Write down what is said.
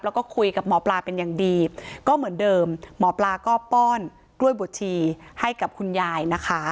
แล้วก็คุยกับหมอปลาเป็นอย่างดีก็เหมือนเดิมหมอปลาก็ป้อนกล้วยบวชชีให้กับคุณยายนะคะ